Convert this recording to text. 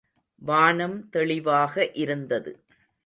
வானம் தெளிவாக இருந்தது.